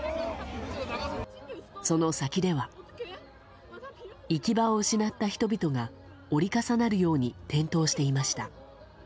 その先では行き場を失った人々が折り重なるように転倒していました。